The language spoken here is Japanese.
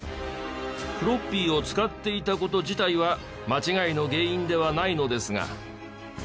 フロッピーを使っていた事自体は間違いの原因ではないのですが。